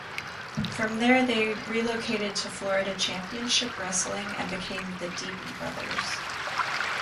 From there they relocated to Florida Championship Wrestling and became The Deaton Brothers.